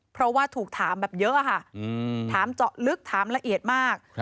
เพราะว่าถูกถามแบบเยอะค่ะถามเจาะลึกถามละเอียดมาก